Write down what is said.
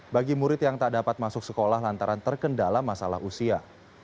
bagi murid yang tak dapat masuk sekolah lantaran terkendala masalah usia